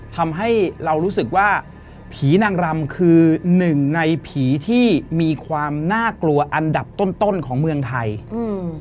ทำให้เรารู้สึกว่าผีนางรำคือหนึ่งในผีที่มีความน่ากลัวอันดับต้นต้นของเมืองไทยอืม